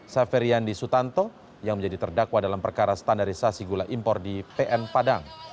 saferi yandi sutanto yang menjadi terdakwa dalam perkara standarisasi gula impor di pn padang